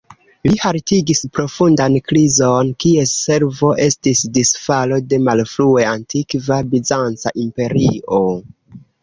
Li haltigis profundan krizon, kies sekvo estis disfalo de malfrue antikva bizanca imperio.